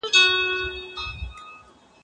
دهیلو په ایرو کي مي بڅرکی سو پیدا